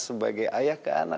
sebagai ayah ke anak